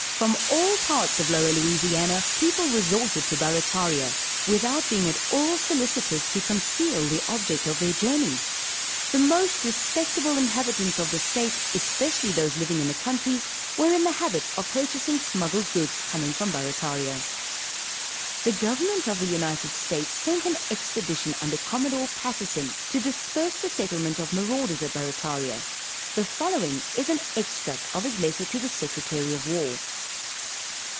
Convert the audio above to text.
From all parts of Lower Louisiana, people resorted to Barrataria, without being at all solicitous to conceal the object of their journey. The most respectable inhabitants of the state, especially those living in the country, were in the habit of purchasing smuggled goods coming from Barrataria. The government of the United States sent an expedition under Commodore Patterson, to disperse the settlement of marauders at Barrataria; the following is an extract of his letter to the secretary of war.